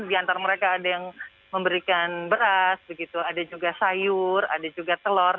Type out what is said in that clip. di antara mereka ada yang memberikan beras ada juga sayur ada juga telur